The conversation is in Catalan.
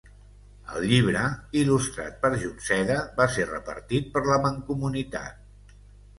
El llibre, il·lustrat per Junceda, va ser repartit per la Mancomunitat.